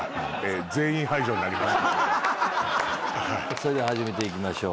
それでは始めていきましょう。